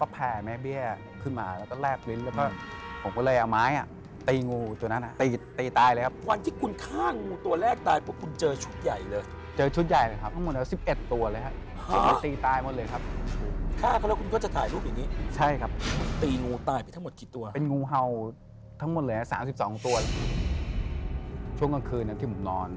เป็นงูเฮาทั้งหมดเลยนะ๓๒ตัวช่วงกลางคืนที่ผมนอน